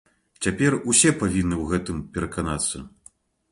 Цяпер усе павінны ў гэтым пераканацца.